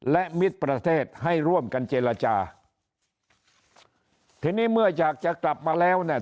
และมิตรประเทศให้ร่วมกันเจรจาทีนี้เมื่ออยากจะกลับมาแล้วเนี่ย